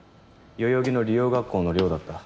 代々木の理容学校の寮だった。